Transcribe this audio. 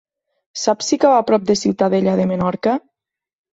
Saps si cau a prop de Ciutadella de Menorca?